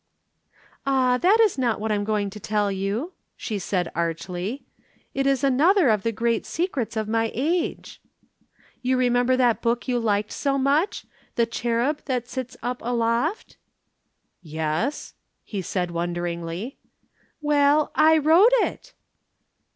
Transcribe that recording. "Ah, that is not what I am going to tell you," she said archly. "It is another of the great secrets of my age. You remember that book you liked so much The Cherub That Sits Up Aloft?" "Yes!" he said wonderingly. "Well, I wrote it!"